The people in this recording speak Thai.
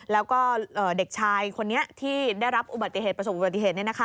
แล้วก็เด็กชายคนนี้ที่ได้รับอุบัติเหตุประสบอุบัติเหตุ